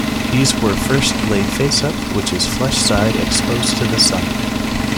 These were first laid face-up, which is flesh side exposed to the sun.